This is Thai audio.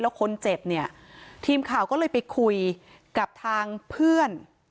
แล้วคนเจ็บเนี่ยทีมข่าวก็เลยไปคุยกับทางเพื่อน